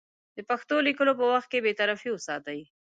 د پېښو لیکلو په وخت کې بېطرفي وساتي.